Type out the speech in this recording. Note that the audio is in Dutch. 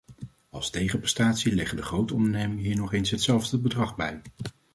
Als tegenprestatie leggen de grote ondernemingen hier nog eens hetzelfde bedrag bij.